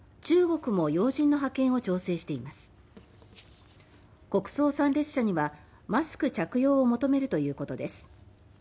国葬参列者にはマスク着用を求めるということです。